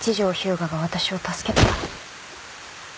牙が私を助けたから。